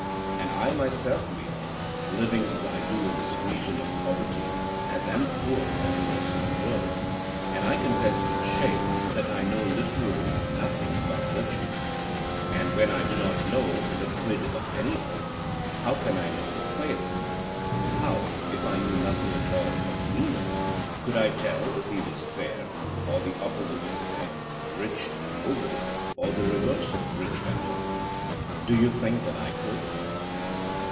And I myself, Meno, living as I do in this region of poverty, am as poor as the rest of the world; and I confess with shame that I know literally nothing about virtue; and when I do not know the 'quid' of anything how can I know the 'quale'? How, if I knew nothing at all of Meno, could I tell if he was fair, or the opposite of fair; rich and noble, or the reverse of rich and noble? Do you think that I could?